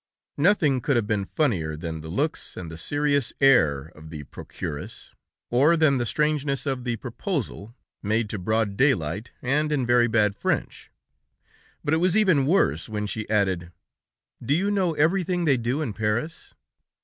"Nothing could have been funnier than the looks and the serious air of the procuress, or than the strangeness of the proposal, made to broad daylight, and in very bad French, but it was even worse when she added: 'Do you know everything they do in Paris?'